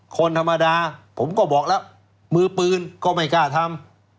คนธรรมดาผมก็บอกแล้วมือปืนก็ไม่กล้าทำ